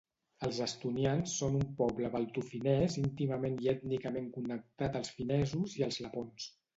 Els estonians són un poble baltofinès íntimament i ètnica connectat als finesos i als lapons.